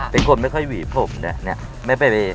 เป็นคนไม่ค่อยหวีผมเนี่ย